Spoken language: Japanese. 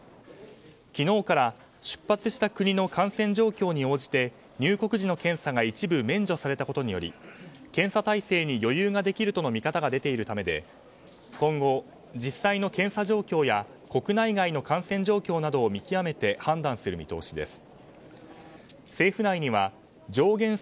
昨日から出発した国の感染状況に応じて入国時の検査が一部免除されたことにより検査体制に余裕ができるとの見方が出ているためで今後、実際の検査状況や国内外の感染状況などを見極めて判断する見通しです。